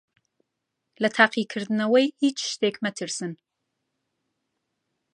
لە تاقیکردنەوەی هیچ شتێک مەترسن.